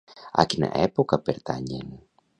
A quina època pertanyen?